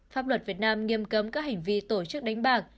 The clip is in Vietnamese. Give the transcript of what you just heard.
pháp luật việt nam nghiêm cấm các hành vi tổ chức đánh bạc